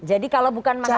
jadi kalau bukan mas ahy